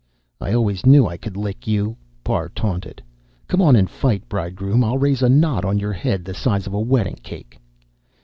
"I always knew I could lick you," Parr taunted. "Come on and fight, bridegroom. I'll raise a knot on your head the size of a wedding cake."